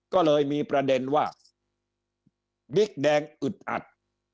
ก็เลยมีประเด็นว่าบิ๊กแดงอึดอัด